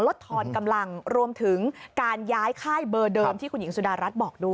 ทอนกำลังรวมถึงการย้ายค่ายเบอร์เดิมที่คุณหญิงสุดารัฐบอกด้วย